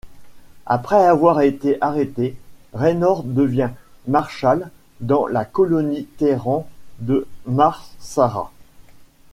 Après avoir été arrêté, Raynor devient marshall dans la colonie Terran de Mar Sara.